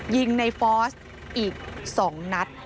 ยิงในฟอร์สอีกสองนัด